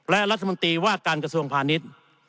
และรัฐมนตรีว่าการกระทรวงพาณิชย์